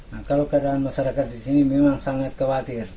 nah kalau keadaan masyarakat di sini memang sangat khawatir